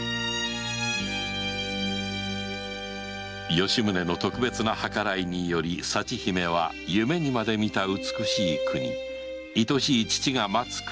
吉宗の特別の計らいにより佐知姫は夢にまで見た美しい国愛しい父が待つ国